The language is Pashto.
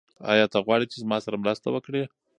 آیا ته غواړې چې زما سره مرسته وکړې؟